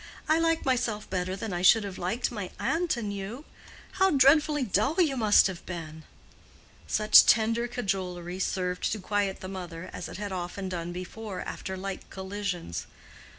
I like myself better than I should have liked my aunt and you. How dreadfully dull you must have been!" Such tender cajolery served to quiet the mother, as it had often done before after like collisions.